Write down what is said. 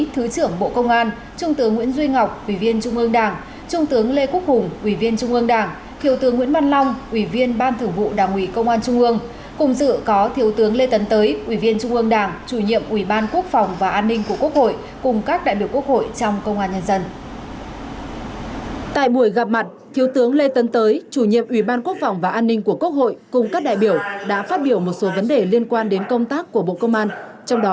trong bối cảnh khủng hoảng chiều qua tại hà nội bộ công an tổ chức gặp mặt các đại biểu quốc hội trong công an nhân dân đang tham dự kỳ họp thứ ba quốc hội khóa một mươi năm